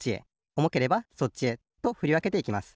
おもければそっちへとふりわけていきます。